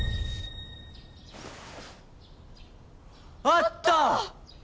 あった！